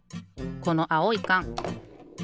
このあおいかん。